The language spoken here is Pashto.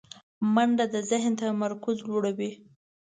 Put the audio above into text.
منډه د ذهن تمرکز لوړوي